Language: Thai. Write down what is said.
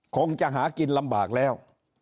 คงจะหากินลำบากแล้ว